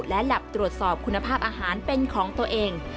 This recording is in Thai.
และแล็บตรวจสอบคุณภาพอาหารเป็นของตัวเอง